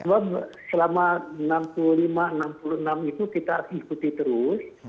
karena selama enam puluh lima enam puluh enam itu kita ikuti terus